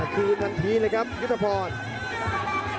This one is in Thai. ครืนทันทีนะครับยุทธพอร์ต